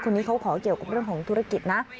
คนนี้เขาขอเกี่ยวกับเรื่องของธุรกิจนะ